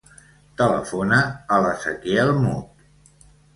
Telefona a l'Ezequiel Mut.